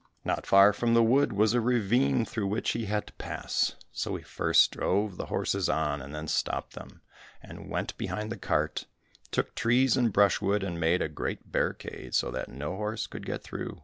Not far from the wood was a ravine through which he had to pass, so he first drove the horses on, and then stopped them, and went behind the cart, took trees and brushwood, and made a great barricade, so that no horse could get through.